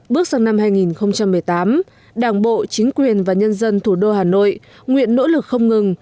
bước sang năm hai nghìn một mươi tám đảng bộ chính quyền và nhân dân thủ đô hà nội nguyện nỗ lực không ngừng